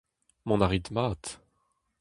Mont a rit mat.